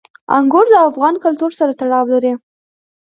انګور د افغان کلتور سره تړاو لري.